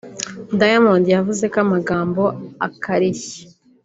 Diamond yavuze amagambo akarishye